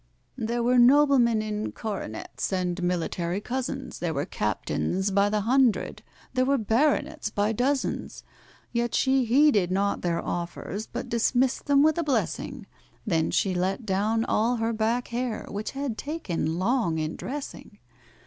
There were noblemen in coronets, and military cousins, There were captains by the hundred, there were baronets by dozens. Yet she heeded not their offers, but dismissed them with a blessing, Then she let down all her back hair, which had taken long in dressing.